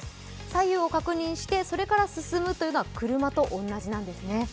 左右を確認して、それから進むというのは、車と同じなんですね。